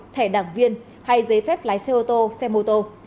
thẻ đảng viên hay giấy phép lái xe ô tô xe mô tô